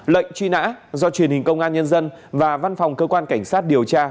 lệnh truy nã do truyền hình công an nhân dân và văn phòng cơ quan cảnh sát điều tra